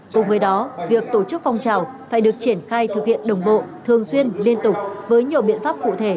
cùng với đó việc tổ chức phong trào phải được triển khai thực hiện đồng bộ thường xuyên liên tục với nhiều biện pháp cụ thể